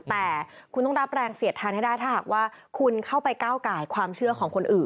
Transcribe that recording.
แต่คุณต้องรับแรงเสียดทานให้ได้ถ้าหากว่าคุณเข้าไปก้าวไก่ความเชื่อของคนอื่น